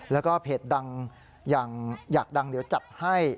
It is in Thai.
แล้วก็เพจดังอย่างอยากดังเดี๋ยวจัดให้